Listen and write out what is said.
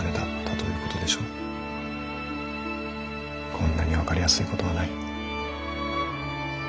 こんなに分かりやすいことはない。